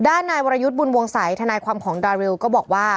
นายวรยุทธ์บุญวงศัยทนายความของดาริวก็บอกว่า